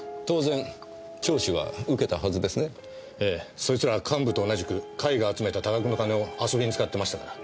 そいつら幹部と同じく会が集めた多額の金を遊びに使ってましたから。